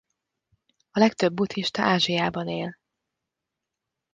A legtöbb buddhista Ázsiában él.